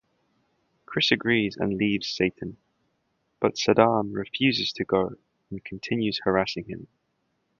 Chris agrees and leaves Satan, but Saddam refuses to go, and continues harassing him.